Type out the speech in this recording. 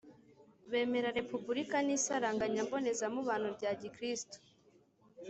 bemera repubulika n'isaranganya mbonezamubano rya gikristu